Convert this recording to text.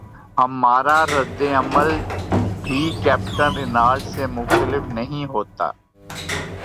تو ہمارا رد عمل بھی کیپٹن رینالٹ سے مختلف نہیں ہوتا۔